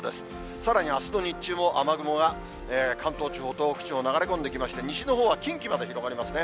さらにあすの日中も、雨雲が関東地方、東北地方、流れ込んできまして、西のほうは近畿まで広がりますね。